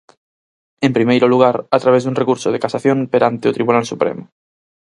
En primeiro lugar a través dun recurso de casación perante o Tribunal Supremo.